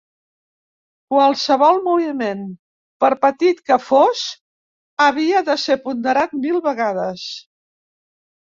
Qualsevol moviment, per petit que fos, havia de ser ponderat mil vegades.